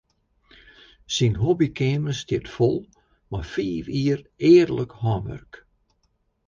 Syn hobbykeamer stiet fol mei fiif jier earlik hânwurk.